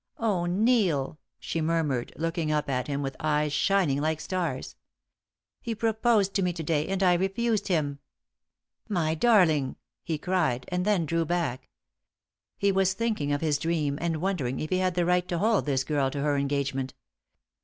Oh. Neil!" she murmured, looking up at him with eyes shining like stars. "He proposed to me to day and I refused him." "My darling," he cried, and then drew back. He was thinking of his dream and wondering if he had the right to hold this girl to her engagement.